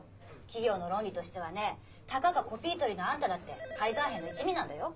企業の論理としてはねたかがコピー取りのあんただって敗残兵の一味なんだよ。